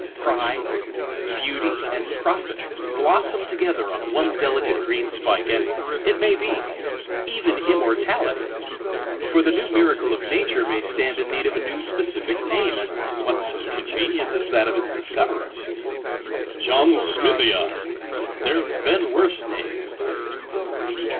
Pride, beauty, and profit blossom together on onedelicate green spike, and, it may be, even immortality. For the newmiracle of nature may stand in need of a new specific name, and what soconvenient as that of its discoverer? "John smithia"! There have beenworse names.